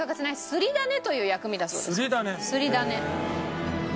すりだね。